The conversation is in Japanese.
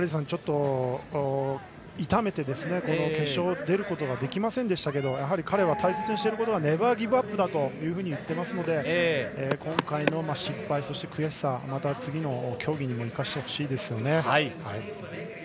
ちょっと痛めて決勝に出ることができませんでしたけれどもやはり彼は大切にしていることはネバーギブアップだと言っていますので今回の失敗、そして悔しさをまた次の競技にも生かしてほしいですよね。